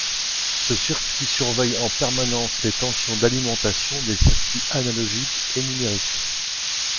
Ce circuit surveille en permanence les tensions d'alimentation des circuits analogiques et numériques.